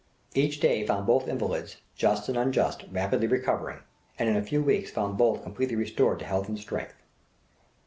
Each day found both invalids, just and unjust, rapidly recovering, and a few weeks found both completely restored to health and strength.